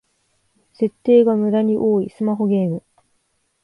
設定がムダに多いスマホゲーム